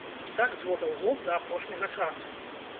І так з года ў год да апошняга часу.